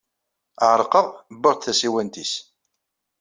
Ɛerqeɣ, uwyeɣ-d tasiwant-nnes.